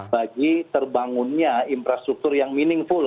bagi terbangunnya infrastruktur yang meaningful